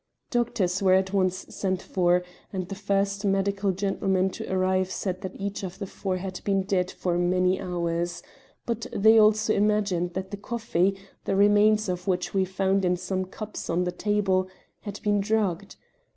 "Doctors were at once sent for, and the first medical gentlemen to arrive said that each of the four had been dead for many hours, but they also imagined that the coffee, the remains of which we found in some cups on the table, had been drugged.